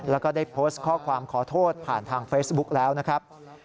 แล้วก็ได้โพสต์ข้อความขอโทษผ่านทางเฟซบุ๊กแล้วนะครับ